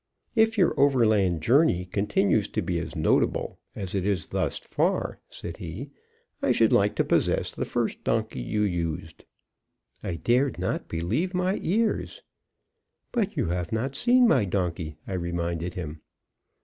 "If your overland journey continues to be as notable as it is thus far," said he, "I should like to possess the first donkey you used." I dared not believe my ears. "But you have not seen my donkey," I reminded him.